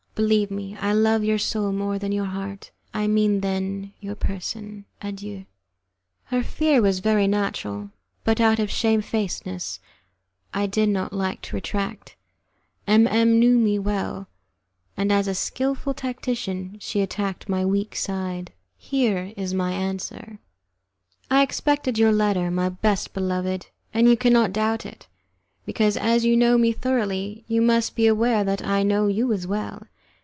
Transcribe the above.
Believe me, I love your soul more than your heart I mean than your person. Adieu." Her fear was very natural, but out of shamefacedness I did not like to retract. M M knew me well, and as a skilful tactician she attacked my weak side. Here is my answer: "I expected your letter, my best beloved, and you cannot doubt it, because, as you know me thoroughly, you must be aware that I know you as well.